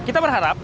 dan kita berharap